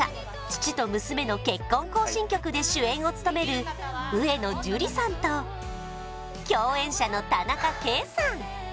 父と娘の結婚行進曲」で主演を務める上野樹里さんと共演者の田中圭さん